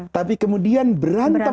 tapi kemudian berantem lagi